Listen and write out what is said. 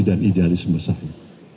dan idealisme saya